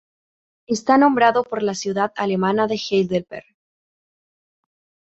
Está nombrado por la ciudad alemana de Heidelberg.